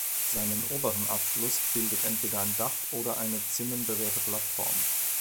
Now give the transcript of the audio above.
Seinen oberen Abschluss bildet entweder ein Dach oder eine zinnenbewehrte Plattform.